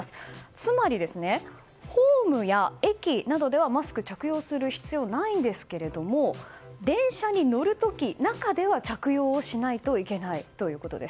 つまり、ホームや駅などではマスクを着用する必要はないんですが電車に乗る時、中では着用しないといけないということです。